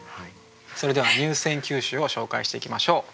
それでは入選九首を紹介していきましょう。